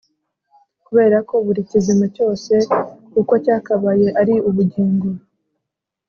kubera ko buri kizima cyose uko cyakabaye ari ubugingo